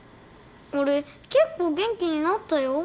俺結構元気になったよ。